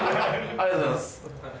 ありがとうございます。